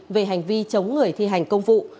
về hành vi chống người thi hành công vụ